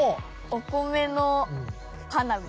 お米の花火。